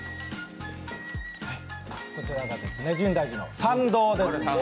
こちらが深大寺の参道です。